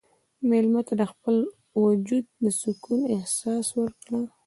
مېلمه ته د خپل وجود د سکون احساس ورکړه.